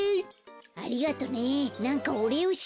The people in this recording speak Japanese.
ありがとねなんかおれいをしないと。